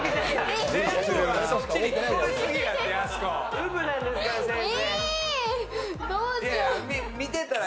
ウブなんですから、先生。